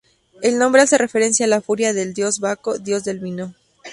El nombre hace referencia a la furia del dios Baco, dios del vino.